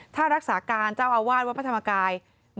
ถ้ารักษาการเจ้าอาวาสวัสดิ์วัสดิ์พระธรรมกาย